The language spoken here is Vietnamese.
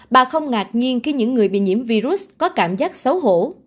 bà không ngạc nhiên khi những người bị nhiễm virus có cảm giác xấu hổ